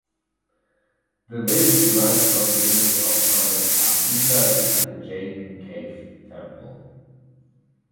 The village derives from the image of Goddess Ambika inside the Jain cave temple.